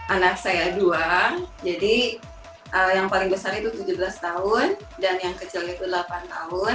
anak saya dua jadi yang paling besar itu tujuh belas tahun